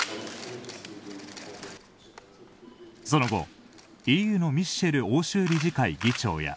その後、ＥＵのミシェル欧州理事会議長や。